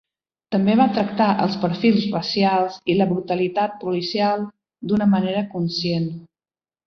També va tractar els perfils racials i la brutalitat policial d'una manera conscient.